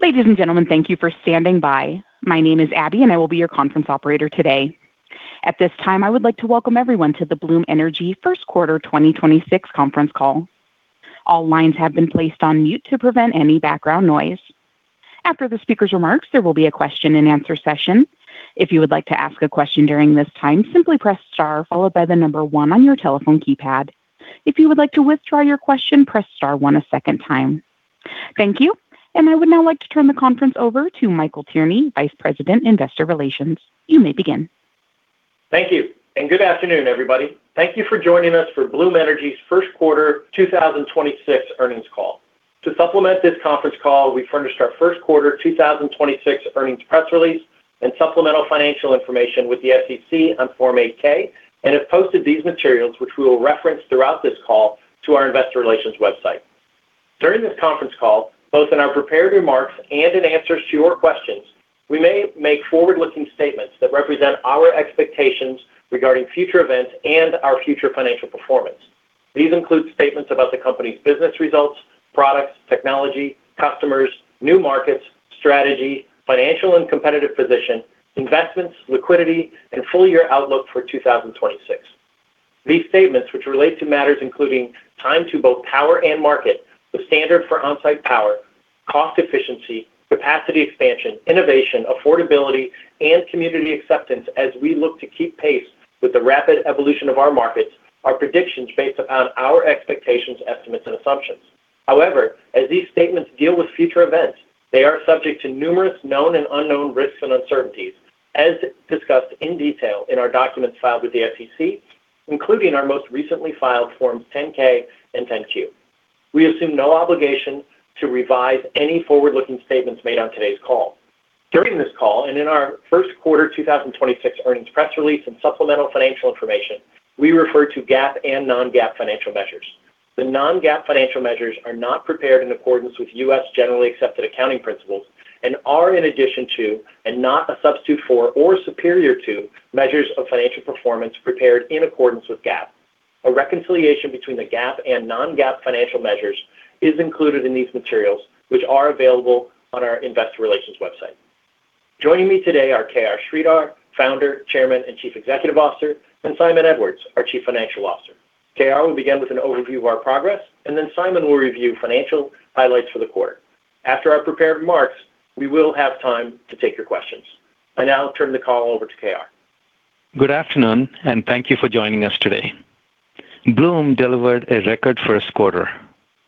Ladies and gentlemen, thank you for standing by. My name is Abby, and I will be your conference operator today. At this time, I would like to welcome everyone to the Bloom Energy first quarter 2026 conference call. All lines have been placed on mute to prevent any background noise. After the speaker's remarks, there will be a question and answer session. If you would like to ask a question during this time, simply press star followed by the number one on your telephone keypad. If you would like to withdraw your question, press star one a second time. Thank you, and I would now like to turn the conference over to Michael Tierney, Vice President, Investor Relations. You may begin. Thank you, and good afternoon, everybody. Thank you for joining us for Bloom Energy's first quarter 2026 earnings call. To supplement this conference call, we furnished our first quarter 2026 earnings press release and supplemental financial information with the SEC on Form 8-K and have posted these materials, which we will reference throughout this call, to our investor relations website. During this conference call, both in our prepared remarks and in answers to your questions, we may make forward-looking statements that represent our expectations regarding future events and our future financial performance. These include statements about the company's business results, products, technology, customers, new markets, strategy, financial and competitive position, investments, liquidity, and full-year outlook for 2026. These statements, which relate to matters including time to both power and market, the standard for onsite power, cost efficiency, capacity expansion, innovation, affordability, and community acceptance as we look to keep pace with the rapid evolution of our markets are predictions based upon our expectations, estimates, and assumptions. However, as these statements deal with future events, they are subject to numerous known and unknown risks and uncertainties as discussed in detail in our documents filed with the SEC, including our most recently filed forms 10-K and 10-Q. We assume no obligation to revise any forward-looking statements made on today's call. During this call, and in our first quarter 2026 earnings press release and supplemental financial information, we refer to GAAP and non-GAAP financial measures. The non-GAAP financial measures are not prepared in accordance with U.S. generally accepted accounting principles and are in addition to, and not a substitute for or superior to, measures of financial performance prepared in accordance with GAAP. A reconciliation between the GAAP and non-GAAP financial measures is included in these materials, which are available on our investor relations website. Joining me today are KR Sridhar, Founder, Chairman, and Chief Executive Officer, and Simon Edwards, our Chief Financial Officer. KR will begin with an overview of our progress, and then Simon will review financial highlights for the quarter. After our prepared remarks, we will have time to take your questions. I now turn the call over to KR. Good afternoon, and thank you for joining us today. Bloom delivered a record first quarter.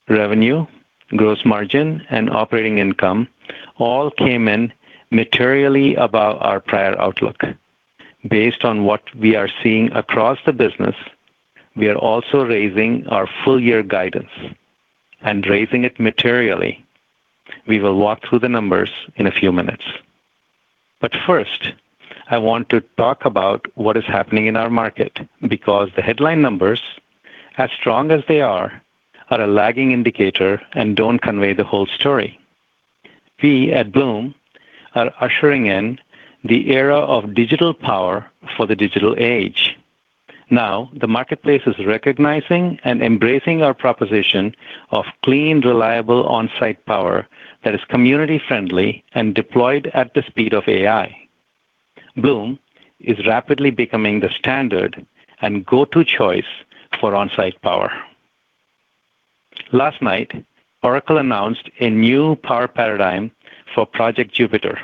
Revenue, gross margin, and operating income all came in materially above our prior outlook. Based on what we are seeing across the business, we are also raising our full year guidance and raising it materially. We will walk through the numbers in a few minutes. First, I want to talk about what is happening in our market because the headline numbers, as strong as they are a lagging indicator and don't convey the whole story. We at Bloom are ushering in the era of digital power for the digital age. Now, the marketplace is recognizing and embracing our proposition of clean, reliable, on-site power that is community friendly and deployed at the speed of AI. Bloom is rapidly becoming the standard and go-to choice for on-site power. Last night, Oracle announced a new power paradigm for Project Jupiter,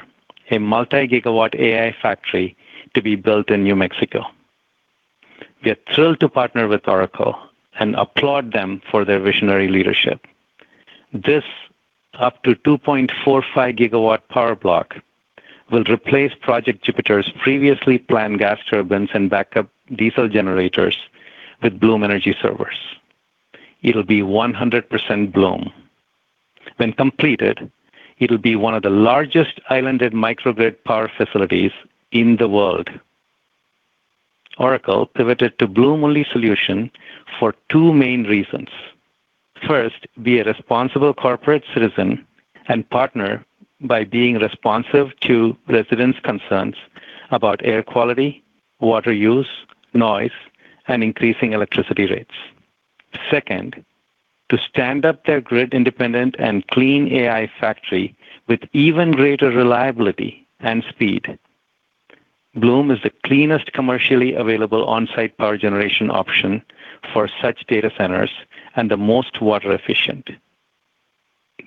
a multi-gigawatt AI factory to be built in New Mexico. We are thrilled to partner with Oracle and applaud them for their visionary leadership. This up to 2.45 GW power block will replace Project Jupiter's previously planned gas turbines and backup diesel generators with Bloom Energy Servers. It'll be 100% Bloom. When completed, it'll be one of the largest islanded microgrid power facilities in the world. Oracle pivoted to Bloom only solution for two main reasons. First, be a responsible corporate citizen and partner by being responsive to residents' concerns about air quality, water use, noise, and increasing electricity rates. Second, to stand up their grid independent and clean AI factory with even greater reliability and speed. Bloom is the cleanest commercially available on-site power generation option for such data centers and the most water efficient.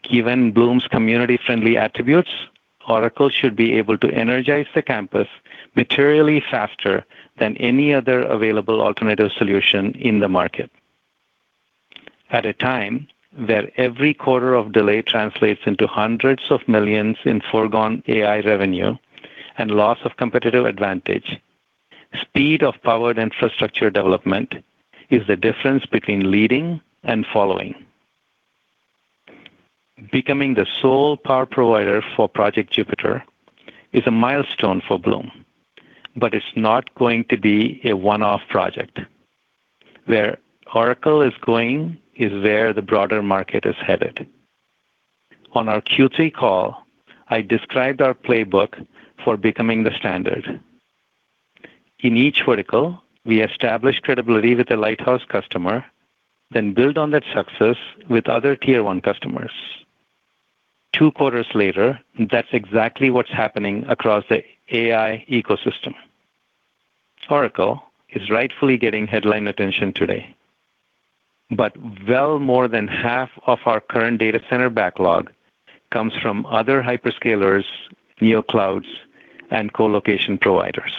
Given Bloom's community-friendly attributes, Oracle should be able to energize the campus materially faster than any other available alternative solution in the market. At a time where every quarter of delay translates into hundreds of millions in foregone AI revenue and loss of competitive advantage, speed of powered infrastructure development is the difference between leading and following. Becoming the sole power provider for Project Jupiter is a milestone for Bloom, but it's not going to be a one-off project. Where Oracle is going is where the broader market is headed. On our Q3 call, I described our playbook for becoming the standard. In each vertical, we establish credibility with the lighthouse customer, then build on that success with other tier one customers. Two quarters later, that's exactly what's happening across the AI ecosystem. Oracle is rightfully getting headline attention today, well more than half of our current data center backlog comes from other hyperscalers, neoclouds, and co-location providers.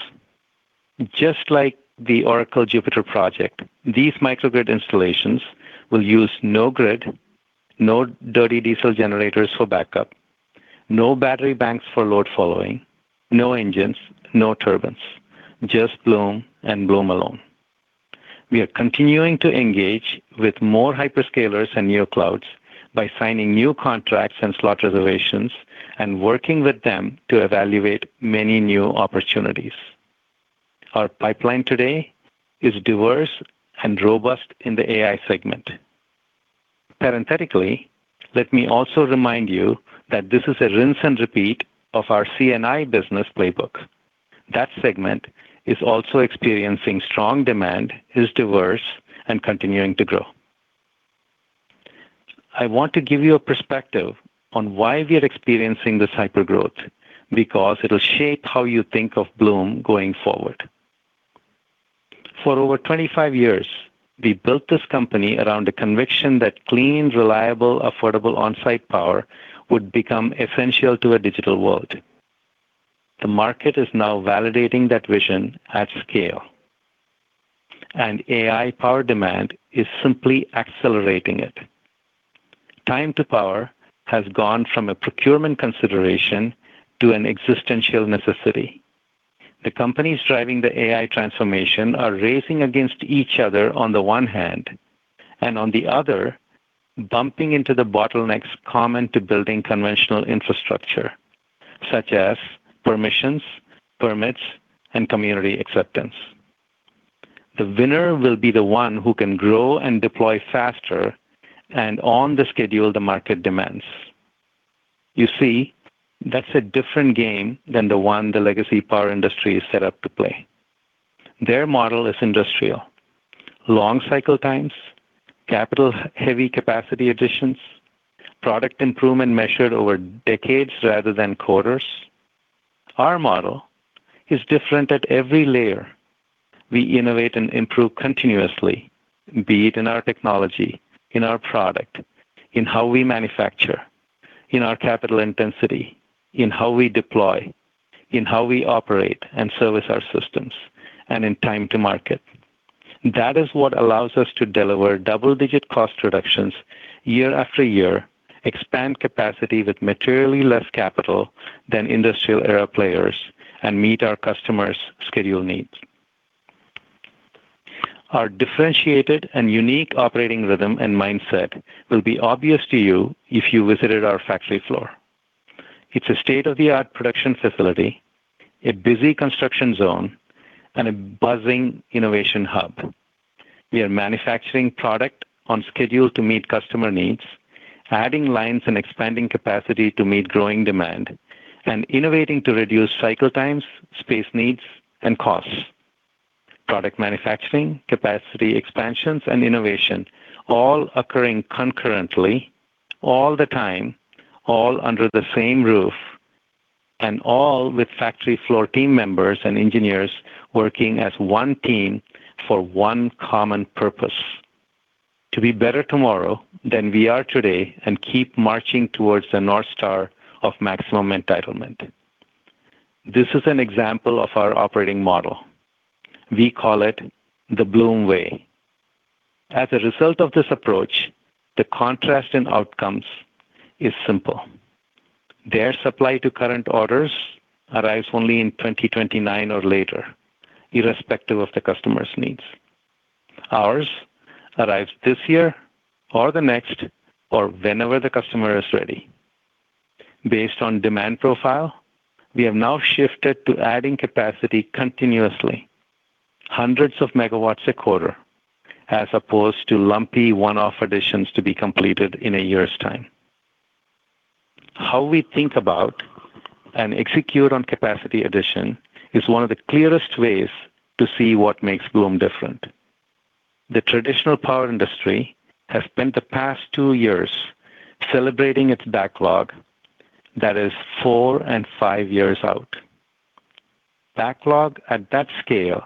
Just like the Oracle Jupiter project, these microgrid installations will use no grid, no dirty diesel generators for backup, no battery banks for load following, no engines, no turbines, just Bloom and Bloom alone. We are continuing to engage with more hyperscalers and neoclouds by signing new contracts and slot reservations and working with them to evaluate many new opportunities. Our pipeline today is diverse and robust in the AI segment. Parenthetically, let me also remind you that this is a rinse and repeat of our C&I business playbook. That segment is also experiencing strong demand, is diverse, and continuing to grow. I want to give you a perspective on why we are experiencing this hypergrowth, because it'll shape how you think of Bloom going forward. For over 25 years, we built this company around the conviction that clean, reliable, affordable on-site power would become essential to a digital world. The market is now validating that vision at scale, AI power demand is simply accelerating it. Time to power has gone from a procurement consideration to an existential necessity. The companies driving the AI transformation are racing against each other on the one hand, and on the other, bumping into the bottlenecks common to building conventional infrastructure, such as permissions, permits, and community acceptance. The winner will be the one who can grow and deploy faster and on the schedule the market demands. You see, that's a different game than the one the legacy power industry is set up to play. Their model is industrial. Long cycle times, capital-heavy capacity additions, product improvement measured over decades rather than quarters. Our model is different at every layer. We innovate and improve continuously, be it in our technology, in our product, in how we manufacture, in our capital intensity, in how we deploy, in how we operate and service our systems, and in time to market. That is what allows us to deliver double-digit cost reductions year after year, expand capacity with materially less capital than industrial-era players, and meet our customers' schedule needs. Our differentiated and unique operating rhythm and mindset will be obvious to you if you visited our factory floor. It's a state-of-the-art production facility, a busy construction zone, and a buzzing innovation hub. We are manufacturing product on schedule to meet customer needs, adding lines and expanding capacity to meet growing demand, and innovating to reduce cycle times, space needs, and costs. Product manufacturing, capacity expansions, and innovation all occurring concurrently all the time, all under the same roof, and all with factory floor team members and engineers working as one team for one common purpose: To be better tomorrow than we are today and keep marching towards the north star of maximum entitlement. This is an example of our operating model. We call it the Bloom way. As a result of this approach, the contrast in outcomes is simple. Their supply to current orders arrives only in 2029 or later, irrespective of the customer's needs. Ours arrives this year or the next or whenever the customer is ready. Based on demand profile, we have now shifted to adding capacity continuously, hundreds of megawatts a quarter, as opposed to lumpy one-off additions to be completed in a year's time. How we think about and execute on capacity addition is one of the clearest ways to see what makes Bloom different. The traditional power industry has spent the past two years celebrating its backlog that is four and five years out. Backlog at that scale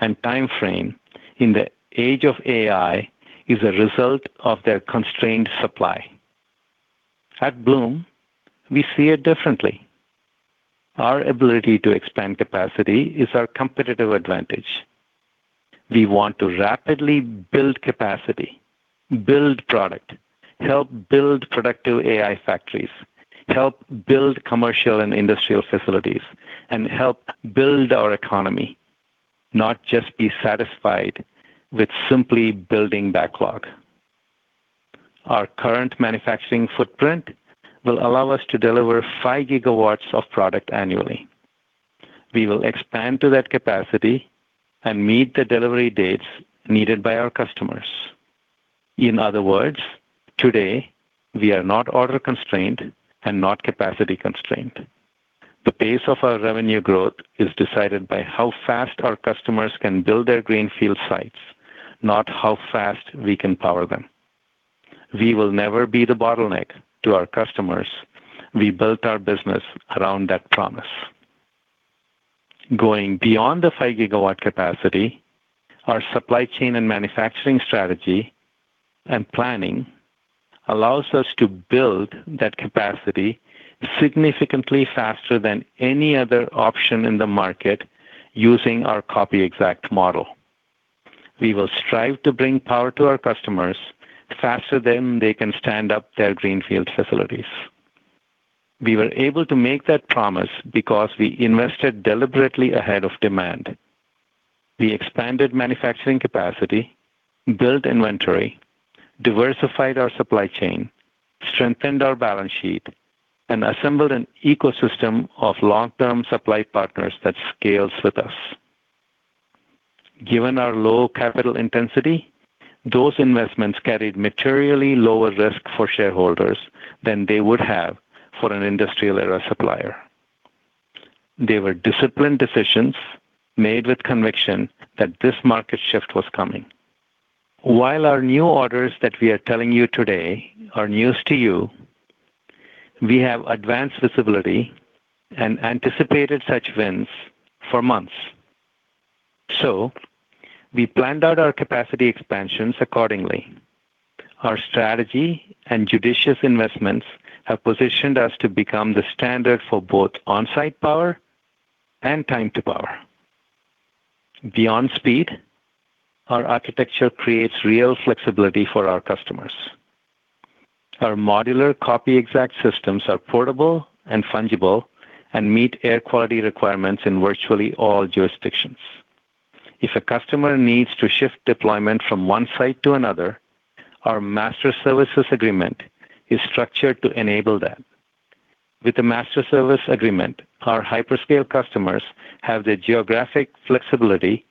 and timeframe in the age of AI is a result of their constrained supply. At Bloom, we see it differently. Our ability to expand capacity is our competitive advantage. We want to rapidly build capacity, build product, help build productive AI factories, help build commercial and industrial facilities, and help build our economy, not just be satisfied with simply building backlog. Our current manufacturing footprint will allow us to deliver 5 GW of product annually. We will expand to that capacity and meet the delivery dates needed by our customers. In other words, today we are not order constrained and not capacity constrained. The pace of our revenue growth is decided by how fast our customers can build their greenfield sites, not how fast we can power them. We will never be the bottleneck to our customers. We built our business around that promise. Going beyond the 5 GW capacity, our supply chain and manufacturing strategy and planning allows us to build that capacity significantly faster than any other option in the market using our copy-exact model. We will strive to bring power to our customers faster than they can stand up their greenfield facilities. We were able to make that promise because we invested deliberately ahead of demand. We expanded manufacturing capacity, built inventory, diversified our supply chain, strengthened our balance sheet, and assembled an ecosystem of long-term supply partners that scales with us. Given our low capital intensity, those investments carried materially lower risk for shareholders than they would have for an industrial-era supplier. They were disciplined decisions made with conviction that this market shift was coming. While our new orders that we are telling you today are news to you, we have advanced visibility and anticipated such wins for months. We planned out our capacity expansions accordingly. Our strategy and judicious investments have positioned us to become the standard for both on-site power and time to power. Beyond speed, our architecture creates real flexibility for our customers. Our modular copy-exact systems are portable and fungible and meet air quality requirements in virtually all jurisdictions. If a customer needs to shift deployment from one site to another, our master services agreement is structured to enable that. With the master service agreement, our hyperscale customers have the geographic flexibility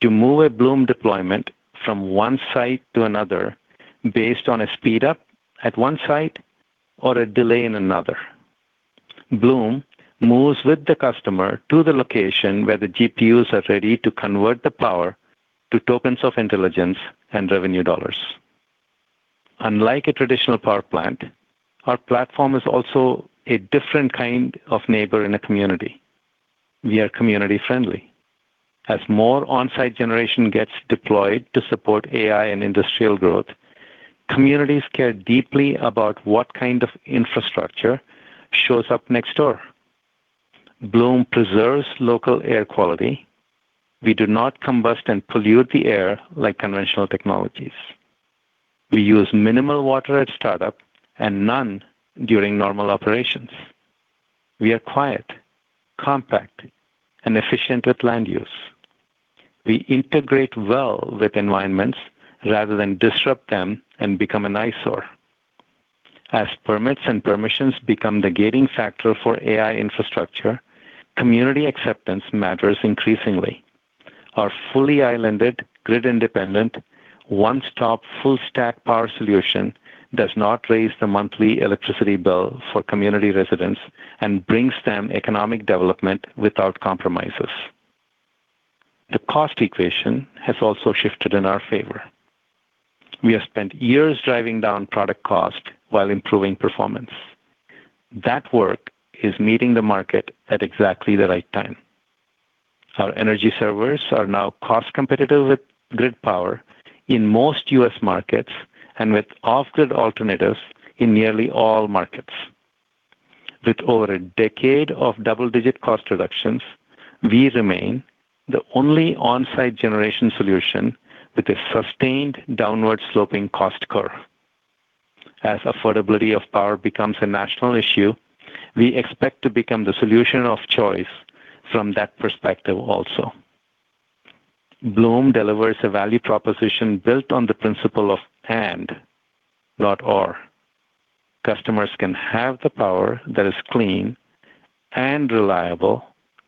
to move a Bloom deployment from one site to another based on a speed up at one site or a delay in another. Bloom moves with the customer to the location where the GPUs are ready to convert the power to tokens of intelligence and revenue dollars. Unlike a traditional power plant, our platform is also a different kind of neighbor in a community. We are community friendly. As more on-site generation gets deployed to support AI and industrial growth, communities care deeply about what kind of infrastructure shows up next door. Bloom preserves local air quality. We do not combust and pollute the air like conventional technologies. We use minimal water at startup and none during normal operations. We are quiet, compact, and efficient with land use. We integrate well with environments rather than disrupt them and become an eyesore. As permits and permissions become the gating factor for AI infrastructure, community acceptance matters increasingly. Our fully islanded, grid-independent, one-stop, full-stack power solution does not raise the monthly electricity bill for community residents and brings them economic development without compromises. The cost equation has also shifted in our favor. We have spent years driving down product cost while improving performance. That work is meeting the market at exactly the right time. Our Energy Servers are now cost competitive with grid power in most U.S. markets and with off-grid alternatives in nearly all markets. With over a decade of double-digit cost reductions, we remain the only on-site generation solution with a sustained downward sloping cost curve. As affordability of power becomes a national issue, we expect to become the solution of choice from that perspective also. Bloom delivers a value proposition built on the principle of and, not or. Customers can have the power that is clean and reliable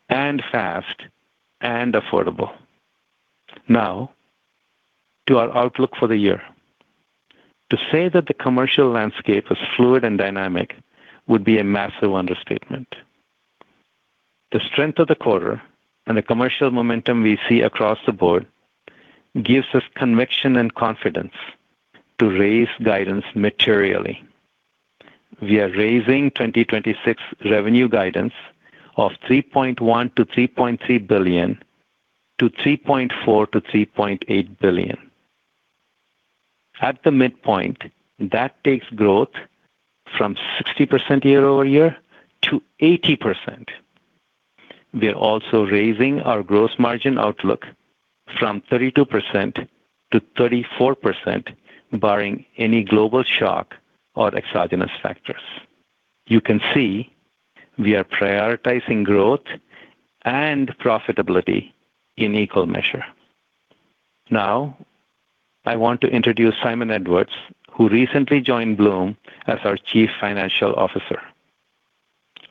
and fast and affordable. To our outlook for the year. To say that the commercial landscape is fluid and dynamic would be a massive understatement. The strength of the quarter and the commercial momentum we see across the board gives us conviction and confidence to raise guidance materially. We are raising 2026 revenue guidance of $3.1 billion-$3.3 billion to $3.4 billion-$3.8 billion. At the midpoint, that takes growth from 60% year-over-year to 80%. We are also raising our gross margin outlook from 32% to 34%, barring any global shock or exogenous factors. You can see we are prioritizing growth and profitability in equal measure. I want to introduce Simon Edwards, who recently joined Bloom as our Chief Financial Officer.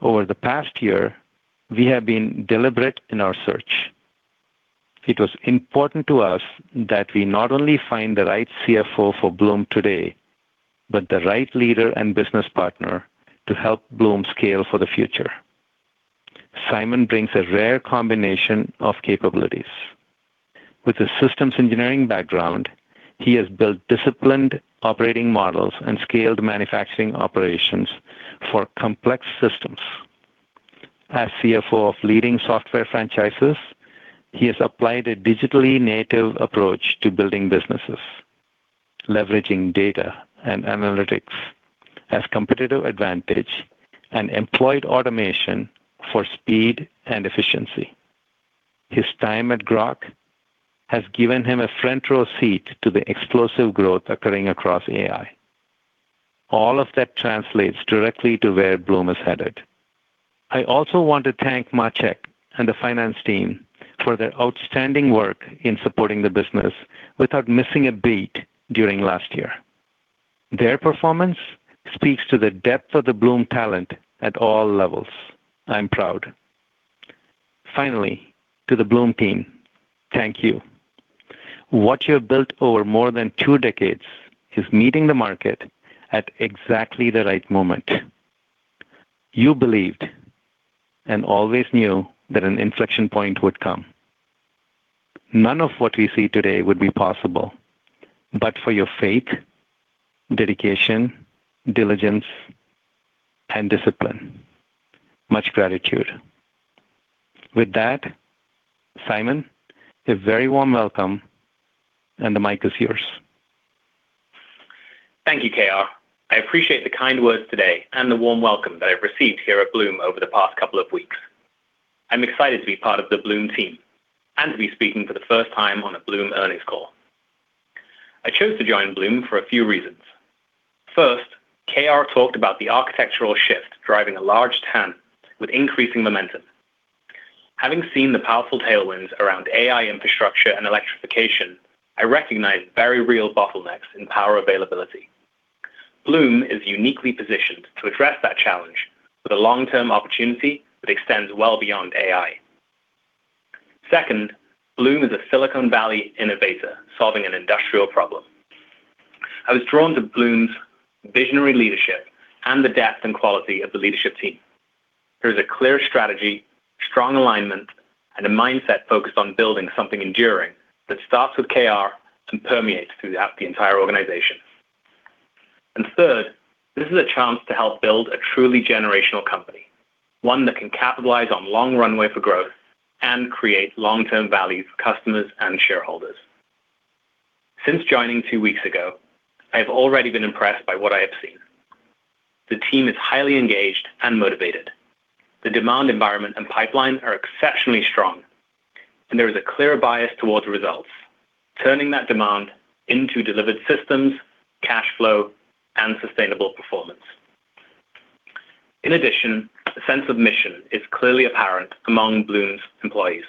Over the past year, we have been deliberate in our search. It was important to us that we not only find the right CFO for Bloom today, but the right leader and business partner to help Bloom scale for the future. Simon brings a rare combination of capabilities. With a systems engineering background, he has built disciplined operating models and scaled manufacturing operations for complex systems. As CFO of leading software franchises, he has applied a digitally native approach to building businesses, leveraging data and analytics as competitive advantage, and employed automation for speed and efficiency. His time at Groq has given him a front row seat to the explosive growth occurring across AI. All of that translates directly to where Bloom is headed. I also want to thank Maciej and the finance team for their outstanding work in supporting the business without missing a beat during last year. Their performance speaks to the depth of the Bloom talent at all levels. I'm proud. Finally, to the Bloom team, thank you. What you have built over more than two decades is meeting the market at exactly the right moment. You believed and always knew that an inflection point would come. None of what we see today would be possible, but for your faith, dedication, diligence, and discipline. Much gratitude. With that, Simon, a very warm welcome, and the mic is yours. Thank you, KR. I appreciate the kind words today and the warm welcome that I've received here at Bloom over the past couple of weeks. I'm excited to be part of the Bloom team and to be speaking for the first time on a Bloom earnings call. I chose to join Bloom for a few reasons. First, KR talked about the architectural shift driving a large TAM with increasing momentum. Having seen the powerful tailwinds around AI infrastructure and electrification, I recognize very real bottlenecks in power availability. Bloom is uniquely positioned to address that challenge with a long-term opportunity that extends well beyond AI. Second, Bloom is a Silicon Valley innovator solving an industrial problem. I was drawn to Bloom's visionary leadership and the depth and quality of the leadership team. There is a clear strategy, strong alignment, and a mindset focused on building something enduring that starts with KR and permeates throughout the entire organization. Third, this is a chance to help build a truly generational company, one that can capitalize on long runway for growth and create long-term value for customers and shareholders. Since joining two weeks ago, I have already been impressed by what I have seen. The team is highly engaged and motivated. The demand environment and pipeline are exceptionally strong, and there is a clear bias towards results, turning that demand into delivered systems, cash flow, and sustainable performance. In addition, a sense of mission is clearly apparent among Bloom's employees.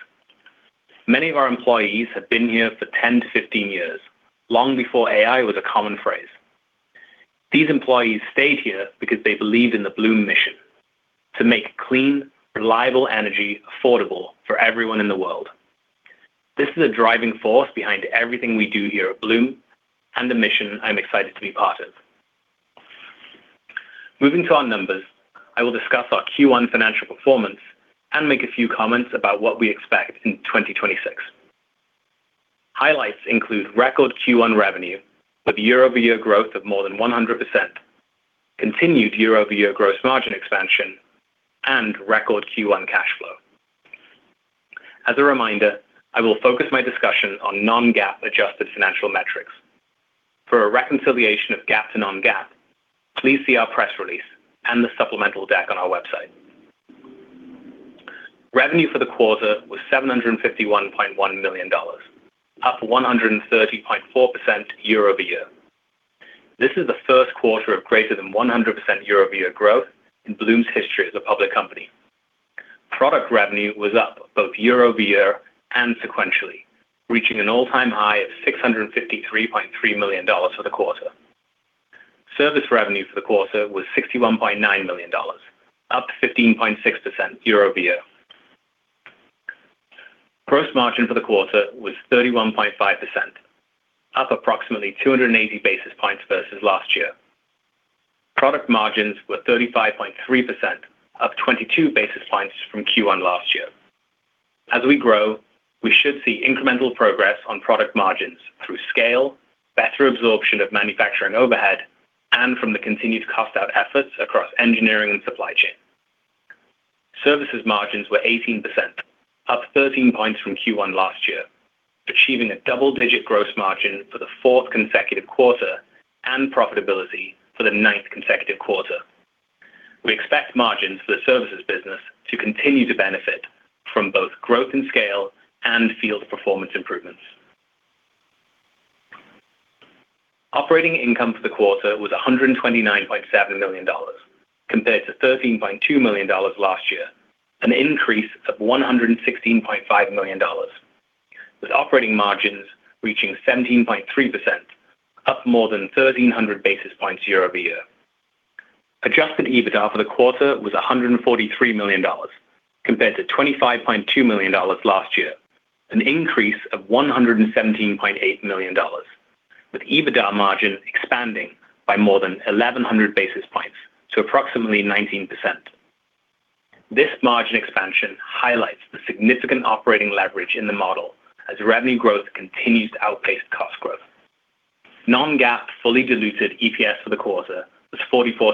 Many of our employees have been here for 10 to 15 years, long before AI was a common phrase. These employees stayed here because they believe in the Bloom mission: to make clean, reliable energy affordable for everyone in the world. This is a driving force behind everything we do here at Bloom and the mission I'm excited to be part of. Moving to our numbers, I will discuss our Q1 financial performance and make a few comments about what we expect in 2026. Highlights include record Q1 revenue with year-over-year growth of more than 100%, continued year-over-year gross margin expansion, and record Q1 cash flow. As a reminder, I will focus my discussion on non-GAAP adjusted financial metrics. For a reconciliation of GAAP to non-GAAP, please see our press release and the supplemental deck on our website. Revenue for the quarter was $751.1 million, up 130.4% year-over-year. This is the first quarter of greater than 100% year-over-year growth in Bloom's history as a public company. Product revenue was up both year-over-year and sequentially, reaching an all-time high of $653.3 million for the quarter. Service revenue for the quarter was $61.9 million, up 15.6% year-over-year. Gross margin for the quarter was 31.5%, up approximately 280 basis points versus last year. Product margins were 35.3%, up 22 basis points from Q1 last year. As we grow, we should see incremental progress on product margins through scale, better absorption of manufacturing overhead, and from the continued cost out efforts across engineering and supply chain. Services margins were 18%, up 13 points from Q1 last year, achieving a double-digit gross margin for the fourth consecutive quarter and profitability for the ninth consecutive quarter. We expect margins for the services business to continue to benefit from both growth and scale and field performance improvements. Operating income for the quarter was $129.7 million, compared to $13.2 million last year, an increase of $116.5 million. With operating margins reaching 17.3%, up more than 1,300 basis points year-over-year. Adjusted EBITDA for the quarter was $143 million compared to $25.2 million last year, an increase of $117.8 million, with EBITDA margin expanding by more than 1,100 basis points to approximately 19%. This margin expansion highlights the significant operating leverage in the model as revenue growth continues to outpace cost growth. Non-GAAP fully diluted EPS for the quarter was $0.44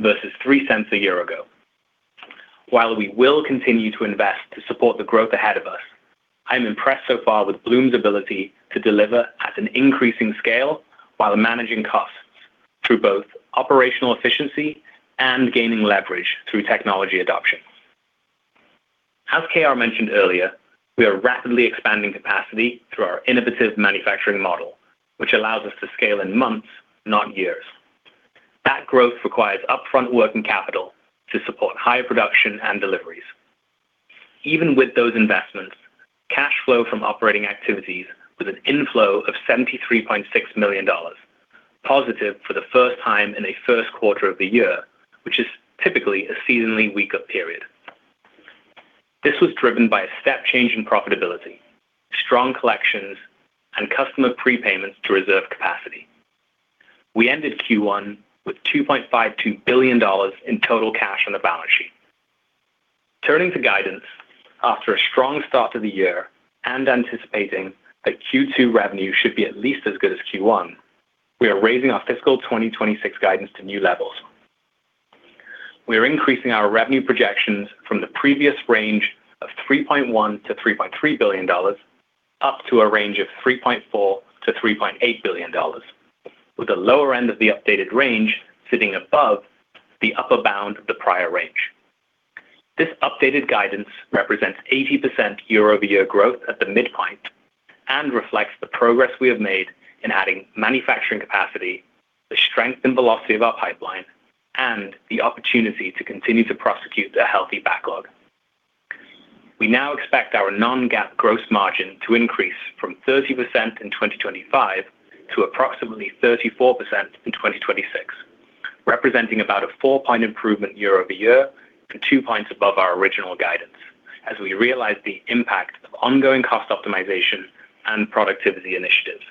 versus $0.03 a year ago. While we will continue to invest to support the growth ahead of us, I am impressed so far with Bloom's ability to deliver at an increasing scale while managing costs through both operational efficiency and gaining leverage through technology adoption. As KR mentioned earlier, we are rapidly expanding capacity through our innovative manufacturing model, which allows us to scale in months, not years. That growth requires upfront working capital to support higher production and deliveries. Even with those investments, cash flow from operating activities was an inflow of $73.6 million, positive for the first time in a first quarter of the year, which is typically a seasonally weaker period. This was driven by a step change in profitability, strong collections, and customer prepayments to reserve capacity. We ended Q1 with $2.52 billion in total cash on the balance sheet. Turning to guidance, after a strong start to the year and anticipating that Q2 revenue should be at least as good as Q1, we are raising our fiscal 2026 guidance to new levels. We are increasing our revenue projections from the previous range of $3.1 billion-$3.3 billion up to a range of $3.4 billion-$3.8 billion, with the lower end of the updated range sitting above the upper bound of the prior range. This updated guidance represents 80% year-over-year growth at the midpoint and reflects the progress we have made in adding manufacturing capacity, the strength and velocity of our pipeline, and the opportunity to continue to prosecute the healthy backlog. We now expect our non-GAAP gross margin to increase from 30% in 2025 to approximately 34% in 2026, representing about a 4 point improvement year-over-year and 2 points above our original guidance, as we realize the impact of ongoing cost optimization and productivity initiatives.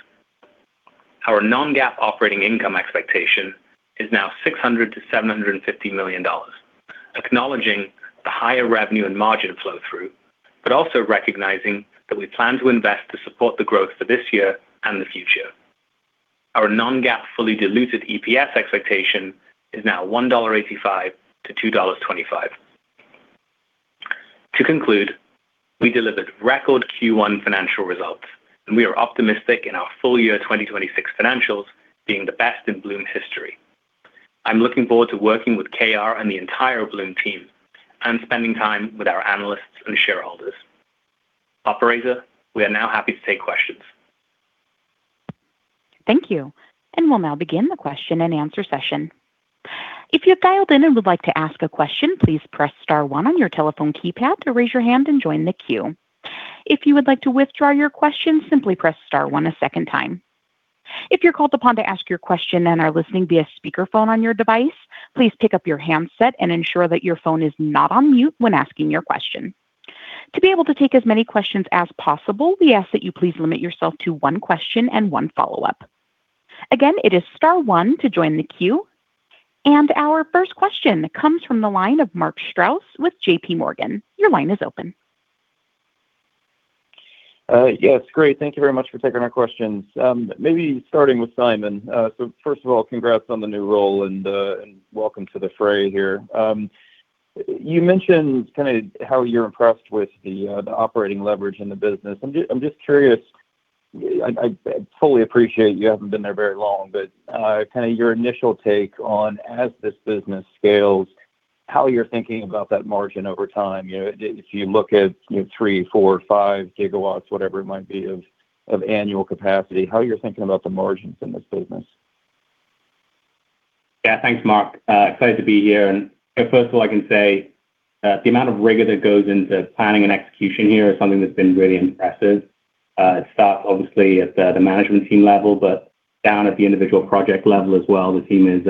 Our non-GAAP operating income expectation is now $600 million-$750 million, acknowledging the higher revenue and margin flow through, but also recognizing that we plan to invest to support the growth for this year and the future. Our non-GAAP fully diluted EPS expectation is now $1.85-$2.25. To conclude, we delivered record Q1 financial results, and we are optimistic in our full-year 2026 financials being the best in Bloom's history. I'm looking forward to working with KR and the entire Bloom team and spending time with our analysts and shareholders. Operator, we are now happy to take questions. Thank you. We'll now begin the question and answer session. Our first question comes from the line of Mark Strouse with JPMorgan. Your line is open. Yes. Great. Thank you very much for taking our questions. Maybe starting with Simon. First of all, congrats on the new role and welcome to the fray here. You mentioned kind of how you're impressed with the operating leverage in the business. I'm just curious, I fully appreciate you haven't been there very long, but kind of your initial take on as this business scales, how you're thinking about that margin over time. You know, if you look at 3 GW, 4 GW, 5 GW, whatever it might be, of annual capacity, how you're thinking about the margins in this business. Yeah. Thanks, Mark. Excited to be here. First of all, I can say, the amount of rigor that goes into planning and execution here is something that's been really impressive. It starts obviously at the management team level, but down at the individual project level as well, the team is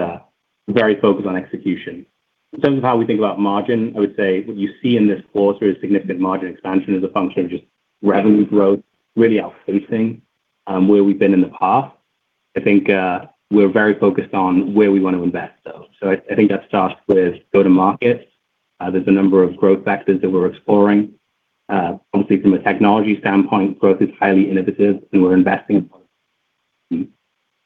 very focused on execution. In terms of how we think about margin, I would say what you see in this quarter is significant margin expansion as a function of just revenue growth really outpacing where we've been in the past. I think, we're very focused on where we want to invest, though. I think that starts with go-to-market. There's a number of growth vectors that we're exploring. Obviously from a technology standpoint, growth is highly innovative, and we're investing in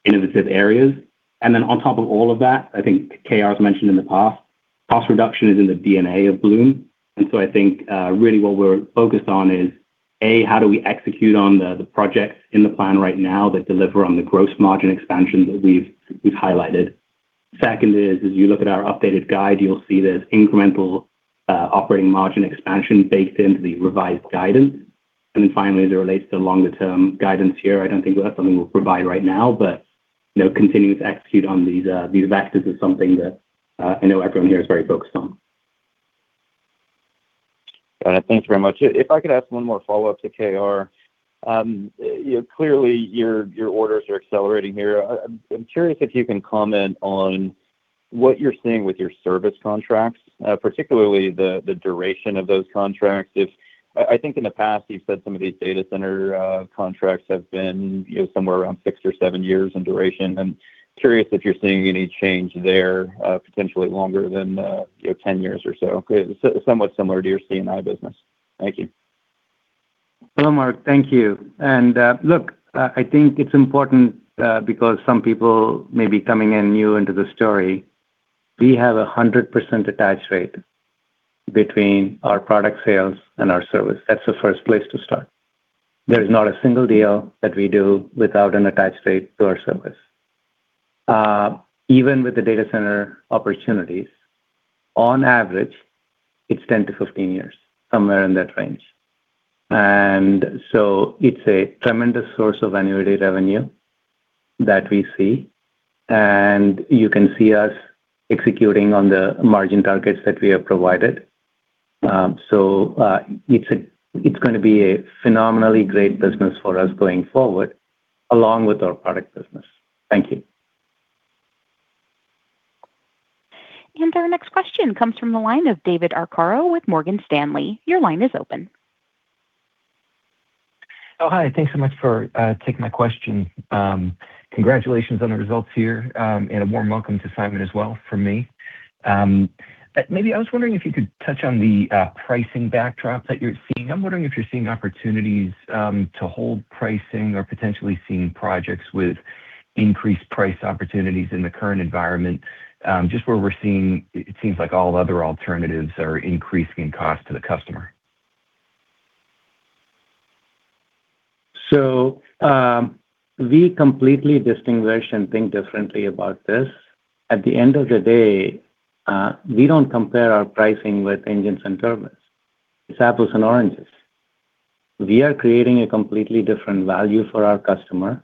innovative areas. On top of all of that, I think KR has mentioned in the past, cost reduction is in the DNA of Bloom. I think really what we're focused on is, A, how do we execute on the projects in the plan right now that deliver on the gross margin expansion that we've highlighted? Second is, as you look at our updated guide, you'll see there's incremental operating margin expansion baked into the revised guidance. Finally, as it relates to longer term guidance here, I don't think that's something we'll provide right now, but, you know, continuing to execute on these vectors is something that I know everyone here is very focused on. Got it. Thanks very much. If I could ask one more follow-up to KR. you know, clearly your orders are accelerating here. I'm curious if you can comment on what you're seeing with your service contracts, particularly the duration of those contracts. I think in the past you've said some of these data center contracts have been, you know, somewhere around six or seven years in duration. I'm curious if you're seeing any change there, potentially longer than, you know, 10 years or so. Somewhat similar to your C&I business. Thank you. Hello, Mark. Thank you. Look, I think it's important because some people may be coming in new into the story, we have a 100% attach rate between our product sales and our service. That's the first place to start. There is not a single deal that we do without an attach rate to our service. Even with the data center opportunities, on average, it's 10-15 years, somewhere in that range. It's a tremendous source of annuity revenue that we see, and you can see us executing on the margin targets that we have provided. It's going to be a phenomenally great business for us going forward, along with our product business. Thank you. Our next question comes from the line of David Arcaro with Morgan Stanley. Your line is open. Oh, hi. Thanks so much for taking my question. Congratulations on the results here, and a warm welcome to Simon as well from me. Maybe I was wondering if you could touch on the pricing backdrop that you're seeing. I'm wondering if you're seeing opportunities to hold pricing or potentially seeing projects with increased price opportunities in the current environment, just where we're seeing it seems like all other alternatives are increasing cost to the customer. We completely distinguish and think differently about this. At the end of the day, we don't compare our pricing with engines and turbines. It's apples and oranges. We are creating a completely different value for our customer,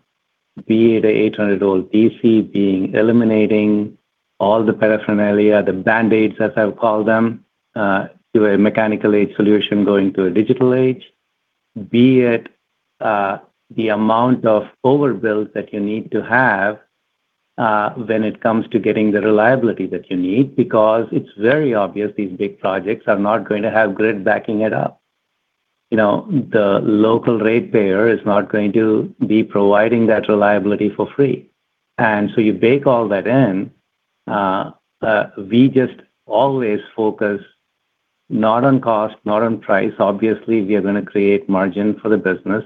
be it a 800 old DC, being eliminating all the paraphernalia, the Band-Aids, as I would call them, to a mechanical age solution going to a digital age. Be it, the amount of overbuild that you need to have, when it comes to getting the reliability that you need, because it's very obvious these big projects are not going to have grid backing it up. You know, the local ratepayer is not going to be providing that reliability for free. You bake all that in, we just always focus not on cost, not on price. Obviously, we are gonna create margin for the business.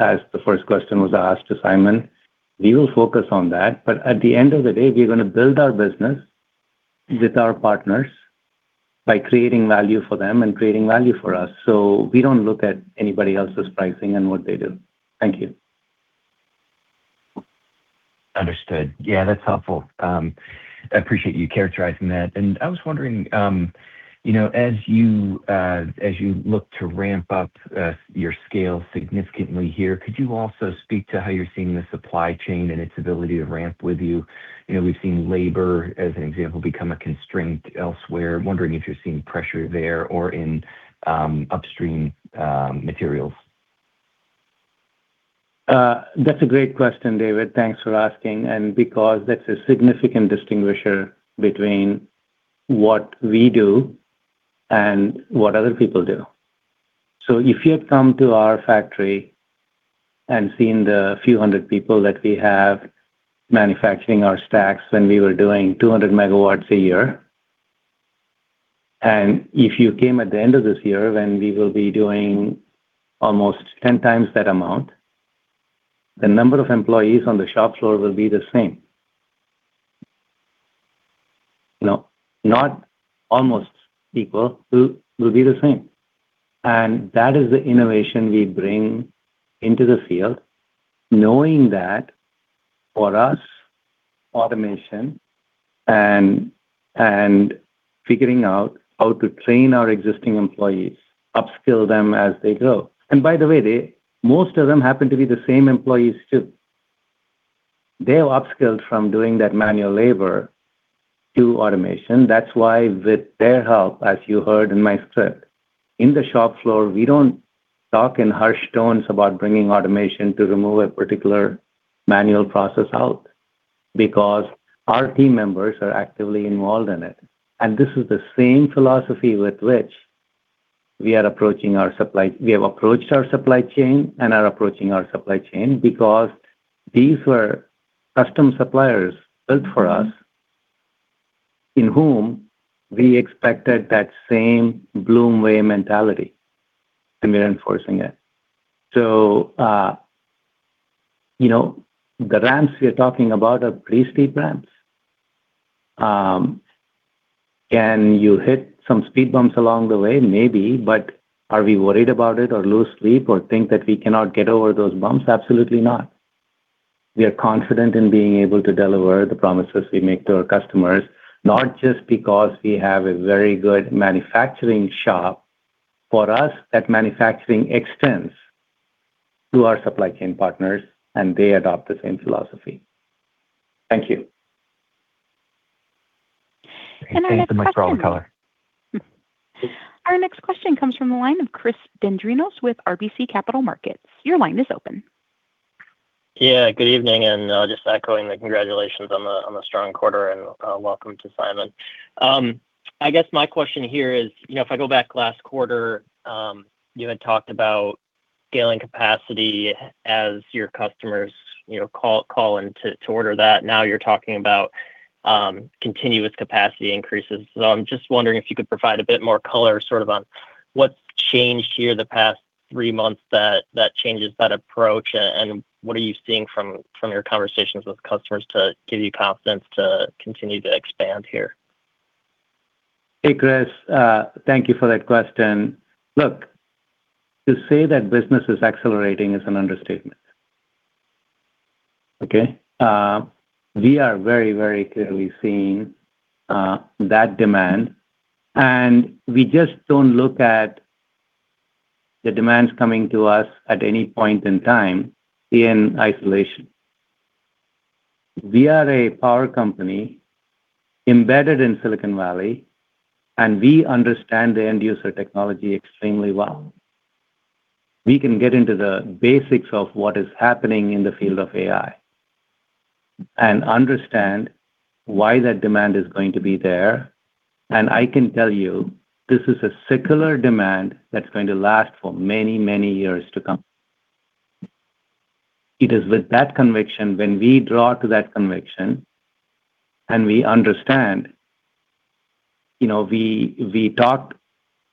As the first question was asked to Simon, we will focus on that. At the end of the day, we're gonna build our business with our partners by creating value for them and creating value for us. We don't look at anybody else's pricing and what they do. Thank you. Understood. Yeah, that's helpful. I appreciate you characterizing that. I was wondering, you know, as you look to ramp up your scale significantly here, could you also speak to how you're seeing the supply chain and its ability to ramp with you? You know, we've seen labor, as an example, become a constraint elsewhere. Wondering if you're seeing pressure there or in upstream materials. That's a great question, David. Thanks for asking. Because that's a significant distinguisher between what we do and what other people do. If you had come to our factory and seen the few hundred people that we have manufacturing our stacks when we were doing 200 MW a year, and if you came at the end of this year, when we will be doing almost 10x that amount, the number of employees on the shop floor will be the same. You know, not almost equal, will be the same. That is the innovation we bring into the field, knowing that for us, automation and figuring out how to train our existing employees, upskill them as they grow. By the way, most of them happen to be the same employees too. They have upskilled from doing that manual labor to automation. That's why with their help, as you heard in my script, in the shop floor, we don't talk in harsh tones about bringing automation to remove a particular manual process out, because our team members are actively involved in it. This is the same philosophy with which we have approached our supply chain and are approaching our supply chain, because these were custom suppliers built for us, in whom we expected that same Bloom way mentality, and we're enforcing it. The ramps we are talking about are pretty steep ramps. Can you hit some speed bumps along the way? Maybe. Are we worried about it or lose sleep or think that we cannot get over those bumps? Absolutely not. We are confident in being able to deliver the promises we make to our customers, not just because we have a very good manufacturing shop. For us, that manufacturing extends to our supply chain partners, and they adopt the same philosophy. Thank you Our next question. Great. Thank you so much for that color. Our next question comes from the line of Chris Dendrinos with RBC Capital Markets. Your line is open. Good evening, just echoing the congratulations on the strong quarter and welcome to Simon. I guess my question here is, you know, if I go back last quarter, you had talked about scaling capacity as your customers, you know, call in to order that. Now you're talking about continuous capacity increases. I'm just wondering if you could provide a bit more color sort of on what's changed here the past three months that changes that approach, and what are you seeing from your conversations with customers to give you confidence to continue to expand here? Hey, Chris. Thank you for that question. Look, to say that business is accelerating is an understatement, okay? We are very, very clearly seeing that demand, and we just don't look at the demands coming to us at any point in time in isolation. We are a power company embedded in Silicon Valley, and we understand the end user technology extremely well. We can get into the basics of what is happening in the field of AI and understand why that demand is going to be there, and I can tell you, this is a secular demand that's going to last for many, many years to come. It is with that conviction, when we draw to that conviction and we understand, you know, we talked,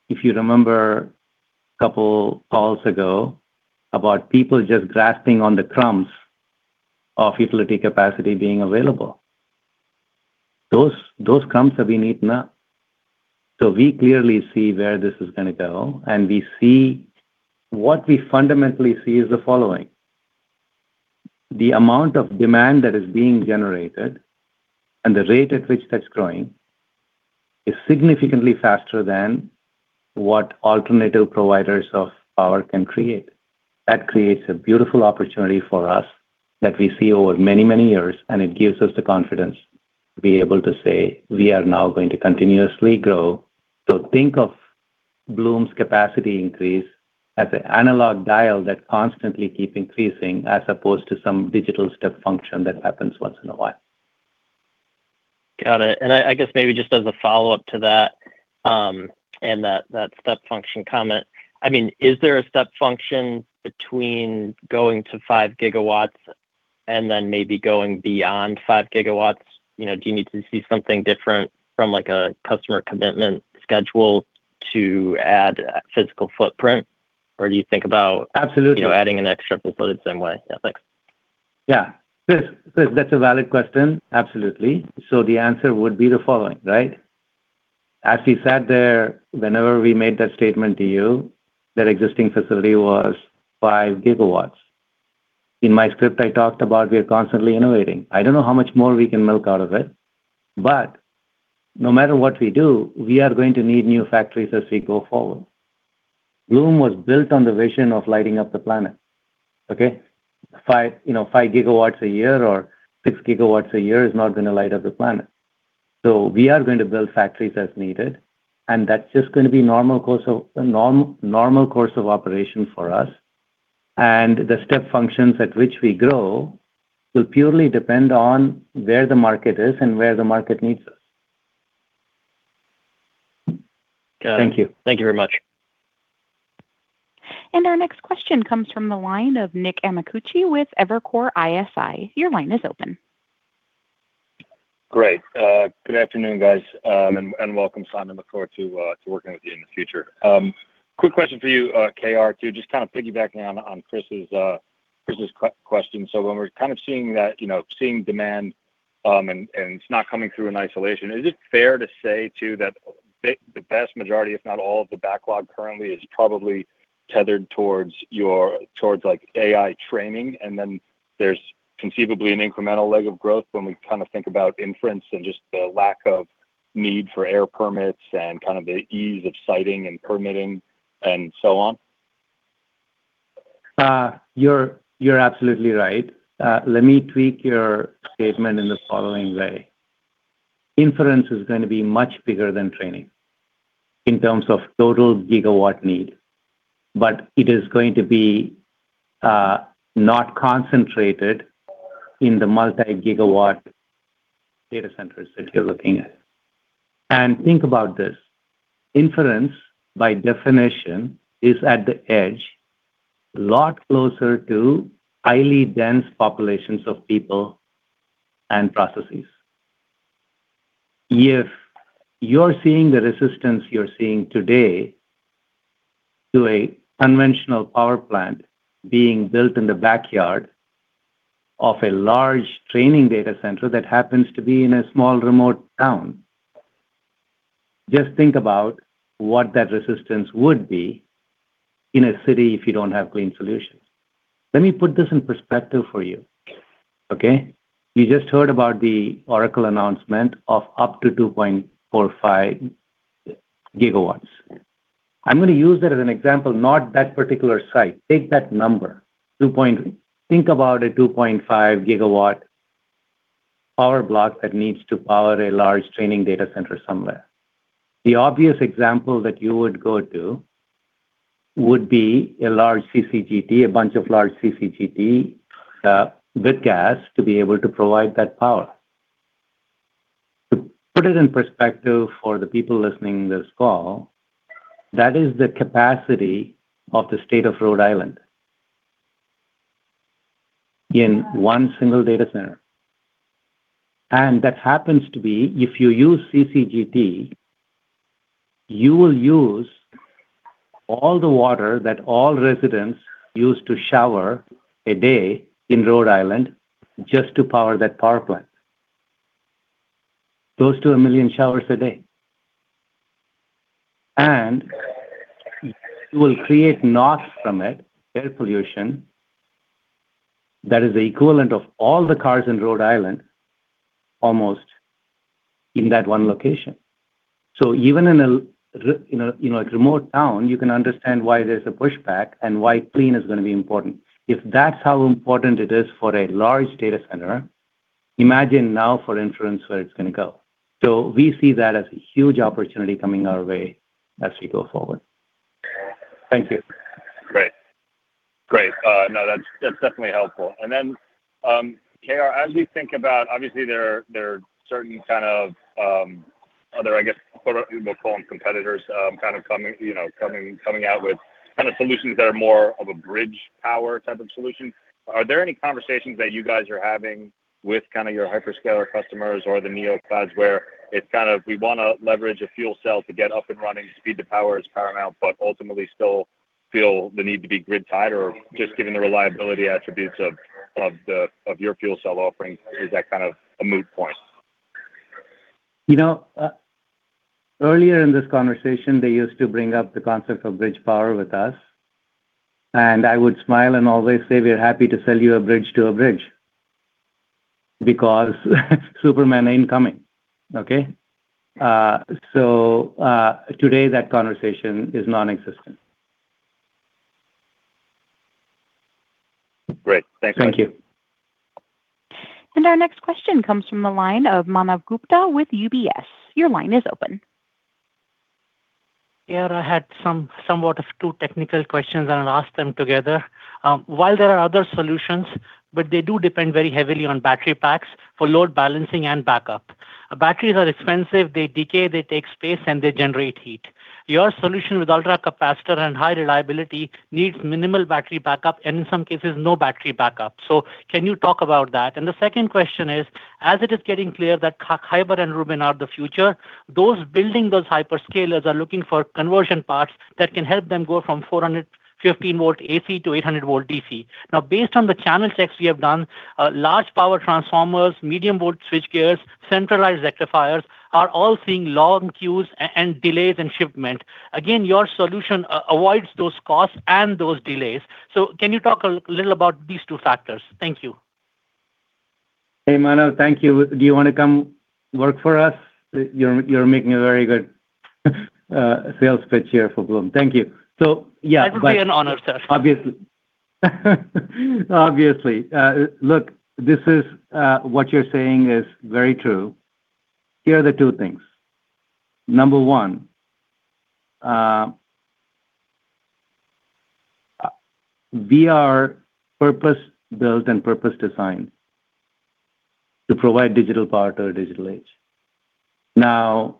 if you remember a couple calls ago, about people just grasping on the crumbs of utility capacity being available. Those crumbs have been eaten up. We clearly see where this is gonna go, and we see what we fundamentally see is the following. The amount of demand that is being generated and the rate at which that's growing is significantly faster than what alternative providers of power can create. That creates a beautiful opportunity for us that we see over many years, and it gives us the confidence to be able to say we are now going to continuously grow. Think of Bloom's capacity increase as an analog dial that constantly keep increasing as opposed to some digital step function that happens once in a while. Got it. I guess maybe just as a follow-up to that step function comment, I mean, is there a step function between going to 5 GW and then maybe going beyond 5 GW? You know, do you need to see something different from like a customer commitment schedule to add physical footprint, or do you think about. Absolutely. You know, adding an extra foot the same way? Yeah, thanks. Yeah. Chris, that's a valid question. Absolutely. The answer would be the following, right? As we sat there, whenever we made that statement to you, that existing facility was 5 GW. In my script, I talked about we are constantly innovating. I don't know how much more we can milk out of it. No matter what we do, we are going to need new factories as we go forward. Bloom was built on the vision of lighting up the planet, okay. 5 GW, you know, 5 GW a year or 6 GW a year is not gonna light up the planet. We are going to build factories as needed, and that's just gonna be normal course of, a normal course of operation for us. The step functions at which we grow will purely depend on where the market is and where the market needs us. Got it. Thank you. Thank you very much. Our next question comes from the line of Nick Amicucci with Evercore ISI. Your line is open. Great. Good afternoon, guys. And welcome, Simon. Look forward to working with you in the future. Quick question for you, KR, too. Just kind of piggybacking on Chris's question. When we're kind of seeing that, you know, seeing demand, and it's not coming through in isolation, is it fair to say too that the vast majority, if not all of the backlog currently is probably tethered towards your, towards like AI training? Then there's conceivably an incremental leg of growth when we kind of think about inference and just the lack of need for air permits and kind of the ease of siting and permitting and so on. You're absolutely right. Let me tweak your statement in the following way. Inference is gonna be much bigger than training in terms of total gigawatt need, but it is going to be not concentrated in the multi-gigawatt data centers that you're looking at. Think about this. Inference, by definition, is at the edge a lot closer to highly dense populations of people and processes. If you're seeing the resistance you're seeing today to a conventional power plant being built in the backyard of a large training data center that happens to be in a small remote town, just think about what that resistance would be in a city if you don't have clean solutions. Let me put this in perspective for you. Okay? You just heard about the Oracle announcement of up to 2.45 GW. I'm gonna use that as an example, not that particular site. Take that number, Think about a 2.5 GW power block that needs to power a large training data center somewhere. The obvious example that you would go to would be a large CCGT, a bunch of large CCGT, with gas to be able to provide that power. To put it in perspective for the people listening to this call, that is the capacity of the state of Rhode Island in one single data center. That happens to be, if you use CCGT, you will use all the water that all residents use to shower a day in Rhode Island just to power that power plant. Close to 1 million showers a day. You will create NOx from it, air pollution, that is the equivalent of all the cars in Rhode Island almost in that one location. Even in a remote town, you can understand why there's a pushback and why clean is gonna be important. If that's how important it is for a large data center, imagine now for inference where it's gonna go. We see that as a huge opportunity coming our way as we go forward. Thank you. Great. Great. No, that's definitely helpful. Then, KR, as we think about, obviously there are certain kind of other, I guess, sort of we'll call them competitors, coming, you know, coming out with kind of solutions that are more of a bridge power type of solution. Are there any conversations that you guys are having with kind of your hyperscaler customers or the neoclouds where it's kind of, we wanna leverage a fuel cell to get up and running, speed to power is paramount, but ultimately still feel the need to be grid tied, or just given the reliability attributes of the of your fuel cell offerings, is that kind of a moot point? You know, earlier in this conversation, they used to bring up the concept of bridge power with us, and I would smile and always say, "We're happy to sell you a bridge to a bridge," because Superman ain't coming. Okay. Today that conversation is nonexistent. Great. Thanks. Thank you. Our next question comes from the line of Manav Gupta with UBS. Your line is open. I had some, somewhat of two technical questions, and I'll ask them together. While there are other solutions, but they do depend very heavily on battery packs for load balancing and backup. Batteries are expensive, they decay, they take space, and they generate heat. Your solution with ultracapacitor and high reliability needs minimal battery backup, and in some cases, no battery backup. Can you talk about that? The second question is, as it is getting clear that Hopper and Rubin are the future, those building those hyperscalers are looking for conversion parts that can help them go from 415 V AC to 800 V DC. Based on the channel checks we have done, large power transformers, medium volt switchgears, centralized rectifiers are all seeing long queues and delays in shipment. Your solution avoids those costs and those delays. Can you talk a little about these two factors? Thank you. Hey, Manav. Thank you. Do you wanna come work for us? You're making a very good sales pitch here for Bloom. Thank you. Yeah. It would be an honor, sir. Obviously. Obviously. Look, this is what you're saying is very true. Here are the two things. Number one, we are purpose-built and purpose-designed to provide digital power to a digital age. Now,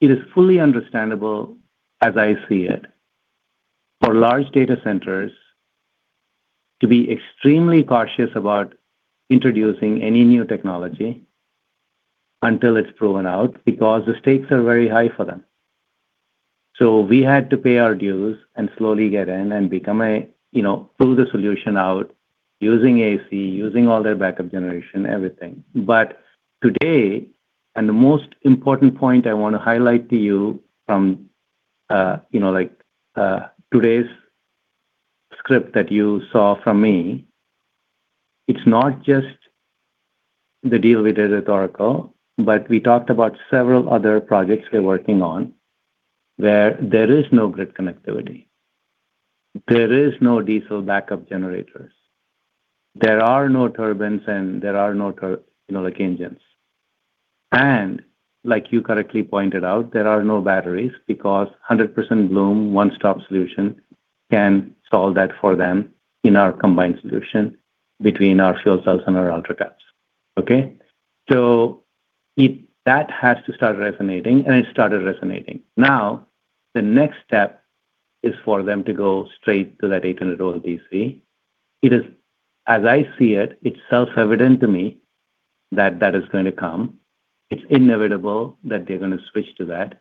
it is fully understandable, as I see it, for large data centers to be extremely cautious about introducing any new technology until it's proven out, because the stakes are very high for them. We had to pay our dues and slowly get in and become a, you know, pull the solution out using AC, using all their backup generation, everything. Today, and the most important point I wanna highlight to you from, you know, like, today's script that you saw from me, it's not just the deal we did with Oracle, but we talked about several other projects we're working on where there is no grid connectivity. There is no diesel backup generators. There are no turbines, and there are no, you know, like engines. Like you correctly pointed out, there are no batteries because 100% Bloom, one-stop solution can solve that for them in our combined solution between our fuel cells and our ultracaps. Okay? That has to start resonating, and it started resonating. The next step is for them to go straight to that 800 V DC. It is, as I see it's self-evident to me that that is gonna come. It's inevitable that they're gonna switch to that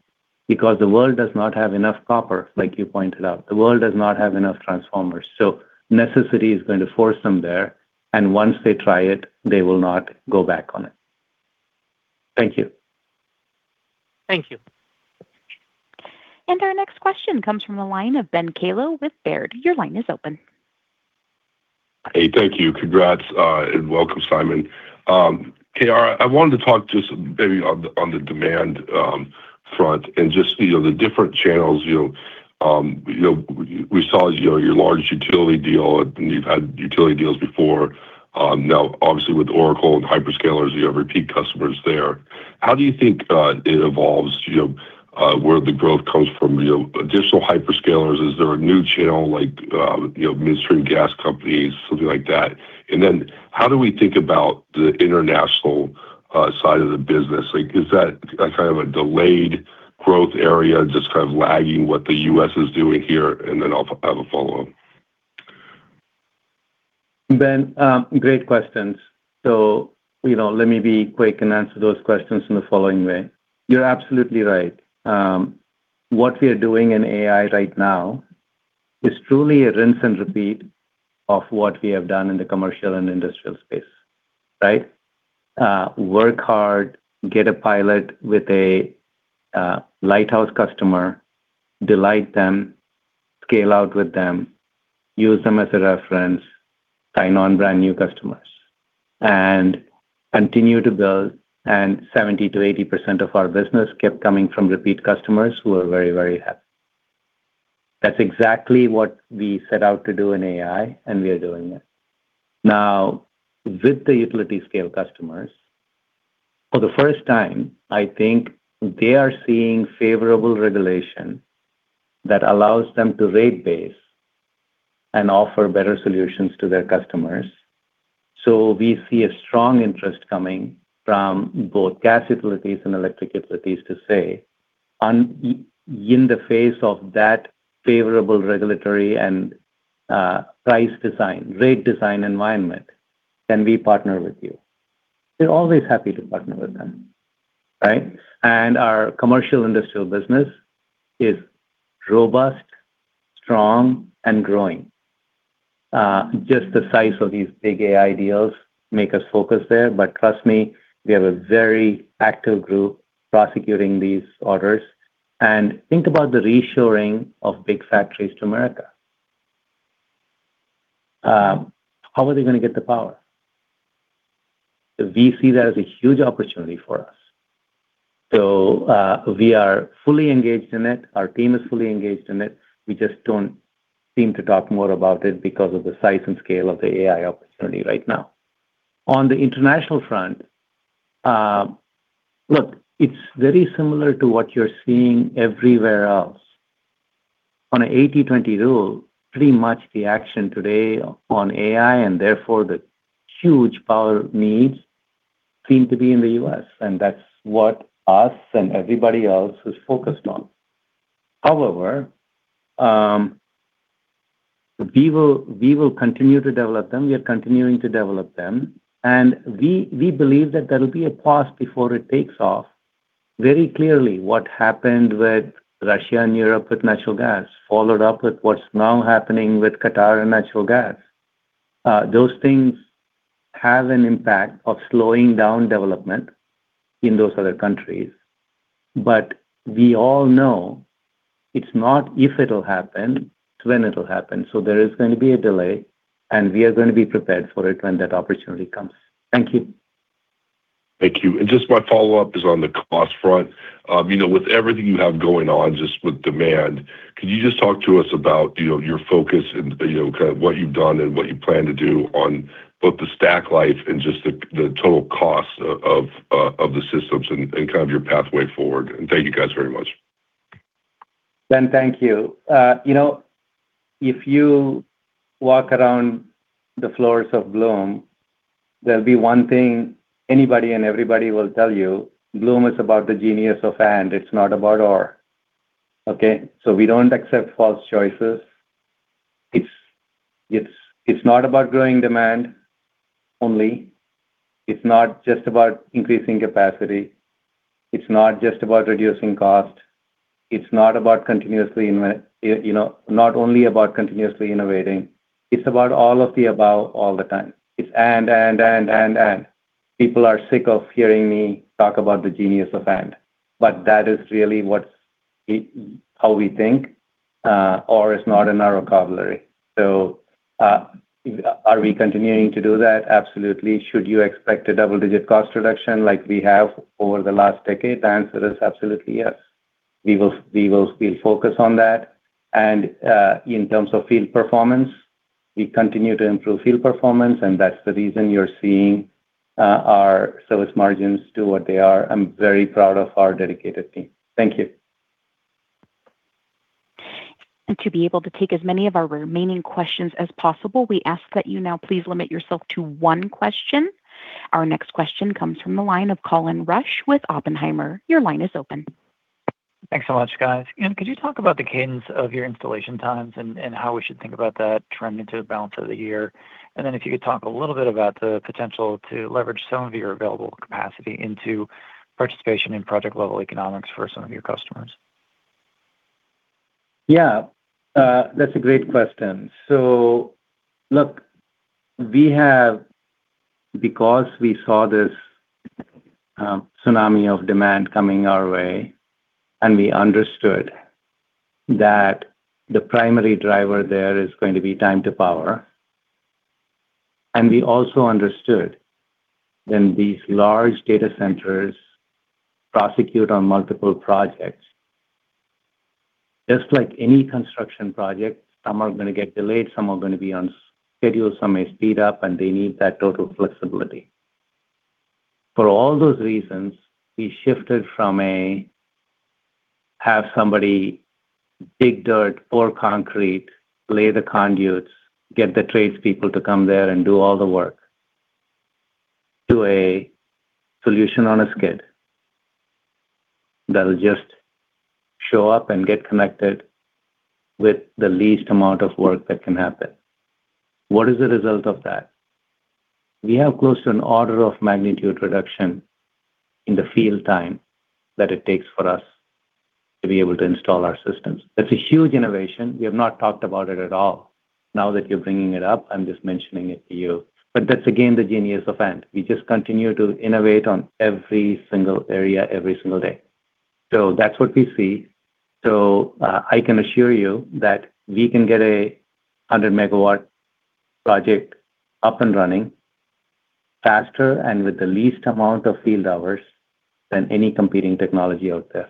because the world does not have enough copper, like you pointed out. The world does not have enough transformers. Necessity is going to force them there, and once they try it, they will not go back on it. Thank you. Thank you. Our next question comes from the line of Ben Kallo with Baird. Your line is open. Hey, thank you. Congrats, and welcome, Simon. Hey, I wanted to talk just maybe on the demand front and just, you know, the different channels, you know. You know, we saw your large utility deal, and you've had utility deals before. Now obviously with Oracle and hyperscalers, you have repeat customers there. How do you think it evolves, you know, where the growth comes from, you know, additional hyperscalers? Is there a new channel like, you know, midstream and gas companies, something like that? Then how do we think about the international side of the business? Like, is that a kind of a delayed growth area, just kind of lagging what the U.S. is doing here? Then I'll have a follow-up. Ben, great questions. You know, let me be quick and answer those questions in the following way. You're absolutely right. What we are doing in AI right now is truly a rinse and repeat of what we have done in the commercial and industrial space, right? Work hard, get a pilot with a lighthouse customer, delight them, scale out with them, use them as a reference, sign on brand new customers. Continue to build, and 70% to 80% of our business kept coming from repeat customers who are very, very happy. That's exactly what we set out to do in AI, and we are doing it. With the utility scale customers, for the first time, I think they are seeing favorable regulation that allows them to rate base and offer better solutions to their customers. We see a strong interest coming from both gas utilities and electric utilities to say, in the face of that favorable regulatory and price design, rate design environment, can we partner with you? We're always happy to partner with them, right? Our commercial industrial business is robust, strong and growing. Just the size of these big AI deals make us focus there. Trust me, we have a very active group prosecuting these orders. Think about the reshoring of big factories to America. How are they gonna get the power? We see that as a huge opportunity for us. We are fully engaged in it. Our team is fully engaged in it. We just don't seem to talk more about it because of the size and scale of the AI opportunity right now. On the international front, look, it's very similar to what you're seeing everywhere else. On a 80/20 rule, pretty much the action today on AI and therefore the huge power needs seem to be in the U.S., and that's what us and everybody else is focused on. We will continue to develop them. We are continuing to develop them. We believe that there'll be a pause before it takes off. Very clearly what happened with Russia and Europe with natural gas, followed up with what's now happening with Qatar and natural gas, those things have an impact of slowing down development in those other countries. We all know it's not if it'll happen, it's when it'll happen. There is gonna be a delay, and we are gonna be prepared for it when that opportunity comes. Thank you. Thank you. Just my follow-up is on the cost front. You know, with everything you have going on just with demand, could you just talk to us about, you know, your focus and, you know, kind of what you've done and what you plan to do on both the stack life and just the total cost of the systems and kind of your pathway forward? Thank you guys very much. Ben, thank you. You know, if you walk around the floors of Bloom, there'll be one thing anybody and everybody will tell you, Bloom is about the genius of and, it's not about or. Okay. We don't accept false choices. It's not about growing demand only. It's not just about increasing capacity. It's not just about reducing cost. It's not only about continuously innovating. It's about all of the above all the time. It's and, and, and. People are sick of hearing me talk about the genius of and, that is really how we think. Or is not in our vocabulary. Are we continuing to do that? Absolutely. Should you expect a double-digit cost reduction like we have over the last decade? The answer is absolutely yes. We will still focus on that. In terms of field performance, we continue to improve field performance, and that's the reason you're seeing our service margins do what they are. I'm very proud of our dedicated team. Thank you. To be able to take as many of our remaining questions as possible, we ask that you now please limit yourself to one question. Our next question comes from the line of Colin Rusch with Oppenheimer. Thanks so much, guys. Could you talk about the cadence of your installation times and how we should think about that trend into the balance of the year? If you could talk a little bit about the potential to leverage some of your available capacity into participation in project level economics for some of your customers. Yeah. That's a great question. Look, because we saw this tsunami of demand coming our way, and we understood that the primary driver there is going to be time to power. We also understood when these large data centers prosecute on multiple projects, just like any construction project, some are gonna get delayed, some are gonna be on schedule, some may speed up, and they need that total flexibility. For all those reasons, we shifted from a have somebody dig dirt, pour concrete, lay the conduits, get the trades people to come there and do all the work, to a solution on a skid that'll just show up and get connected with the least amount of work that can happen. What is the result of that? We have close to one order of magnitude reduction in the field time that it takes for us to be able to install our systems. That's a huge innovation. We have not talked about it at all. Now that you're bringing it up, I'm just mentioning it to you. That's again, the genius of and. We just continue to innovate on every single area every single day. That's what we see. I can assure you that we can get a 100 MW project up and running faster and with the least amount of field hours than any competing technology out there.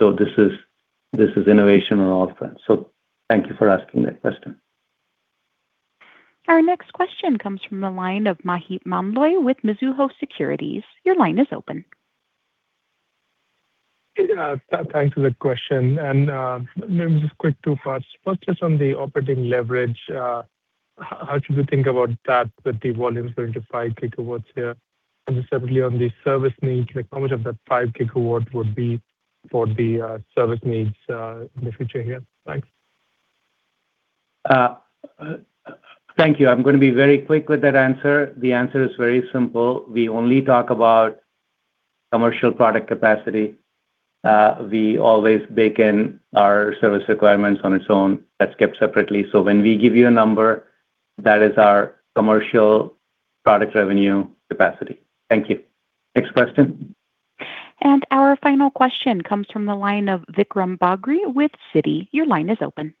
This is innovation on all fronts. Thank you for asking that question. Our next question comes from the line of Maheep Mandloi with Mizuho Securities. Your line is open. Yeah. Thanks for the question. Maybe just quick two parts. First, just on the operating leverage, how should we think about that with the volumes going to 5 GW here? Then separately on the service needs, like how much of that 5 GW would be for the service needs in the future here? Thanks. Thank you. I'm gonna be very quick with that answer. The answer is very simple. We only talk about commercial product capacity. We always bake in our service requirements on its own. That's kept separately. When we give you a number, that is our commercial product revenue capacity. Thank you. Next question. Our final question comes from the line of Vikram Bagri with Citi. Your line is open.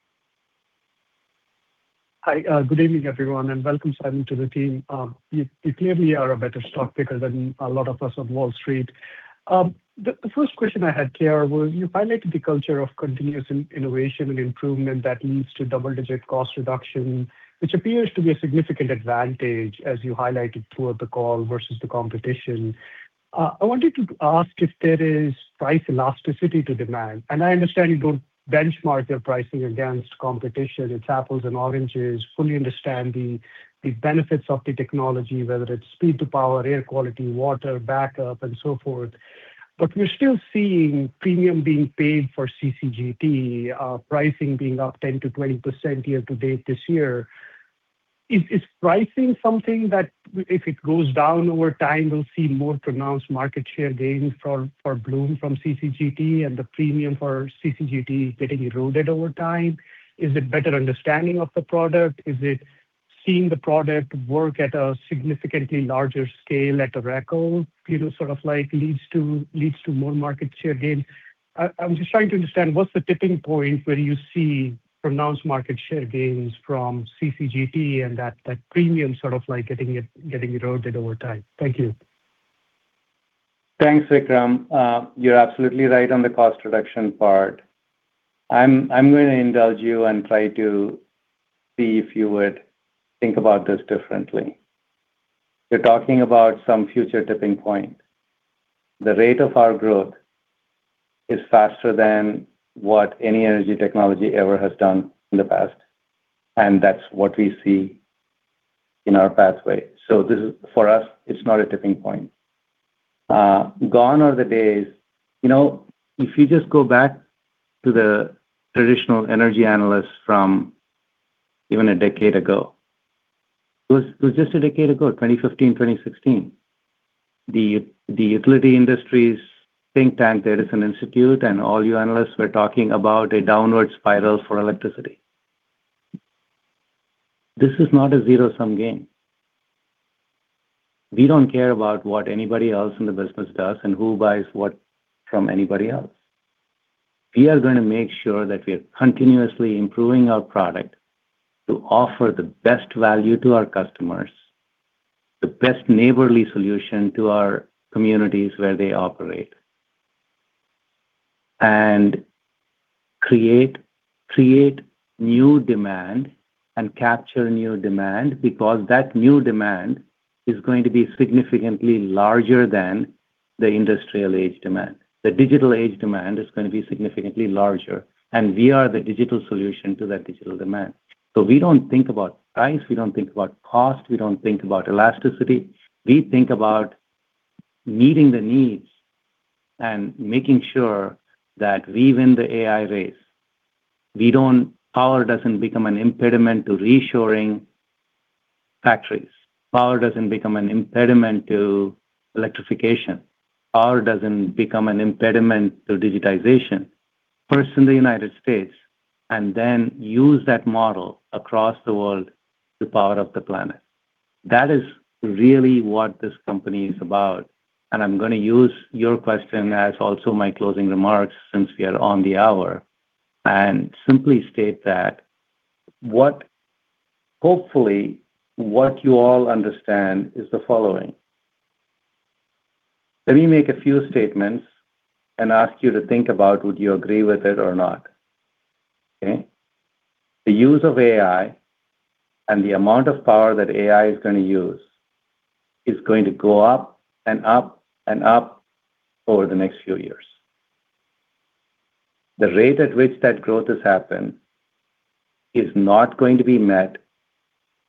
Hi. Good evening everyone, and welcome, Simon, to the team. You clearly are a better stock picker than a lot of us on Wall Street. The first question I had here was you highlighted the culture of continuous innovation and improvement that leads to double-digit cost reduction, which appears to be a significant advantage as you highlighted throughout the call versus the competition. I wanted to ask if there is price elasticity to demand. I understand you don't benchmark your pricing against competition. It's apples and oranges. Fully understand the benefits of the technology, whether it's speed to power, air quality, water, backup and so forth. We're still seeing premium being paid for CCGT, pricing being up 10%-20% year-to-date this year. Is pricing something that if it goes down over time, we'll see more pronounced market share gains for Bloom from CCGT and the premium for CCGT getting eroded over time? Is it better understanding of the product? Is it seeing the product work at a significantly larger scale at a record, sort of like leads to more market share gains? I'm just trying to understand what's the tipping point where you see pronounced market share gains from CCGT and that premium sort of like getting eroded over time. Thank you. Thanks, Vikram. You're absolutely right on the cost reduction part. I'm gonna indulge you and try to see if you would think about this differently. You're talking about some future tipping point. The rate of our growth is faster than what any energy technology ever has done in the past, and that's what we see in our pathway. This is, for us, it's not a tipping point. Gone are the days, you know, if you just go back to the traditional energy analysts from even a decade ago, it was just a decade ago, 2015, 2016, the utility industry's think tank, there is an institute, all you analysts were talking about a downward spiral for electricity. This is not a zero-sum game. We don't care about what anybody else in the business does and who buys what from anybody else. We are gonna make sure that we are continuously improving our product to offer the best value to our customers, the best neighborly solution to our communities where they operate, and create new demand and capture new demand because that new demand is going to be significantly larger than the industrial age demand. We are the digital solution to that digital demand. We don't think about price, we don't think about cost, we don't think about elasticity. We think about meeting the needs and making sure that we win the AI race. Power doesn't become an impediment to reshoring factories. Power doesn't become an impediment to electrification. Power doesn't become an impediment to digitization. First in the United States, then use that model across the world to power up the planet. That is really what this company is about, and I'm going to use your question as also my closing remarks since we are on the hour and simply state that hopefully what you all understand is the following. Let me make a few statements and ask you to think about would you agree with it or not. Okay? The use of AI and the amount of power that AI is going to use is going to go up and up and up over the next few years. The rate at which that growth has happened is not going to be met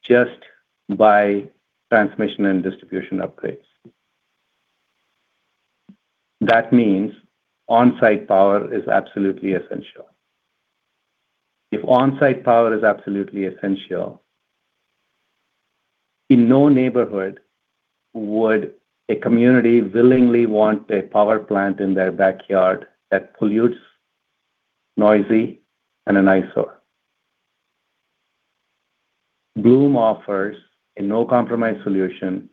just by transmission and distribution upgrades. Onsite power is absolutely essential. If onsite power is absolutely essential, in no neighborhood would a community willingly want a power plant in their backyard that pollutes, noisy and an eyesore. Bloom offers a no compromise solution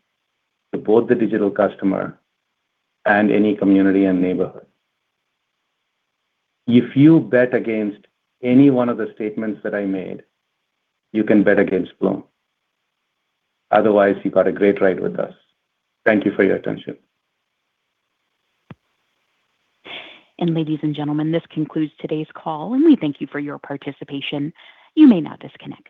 to both the digital customer and any community and neighborhood. If you bet against any one of the statements that I made, you can bet against Bloom. Otherwise, you've got a great ride with us. Thank you for your attention. Ladies and gentlemen, this concludes today's call, and we thank you for your participation. You may now disconnect.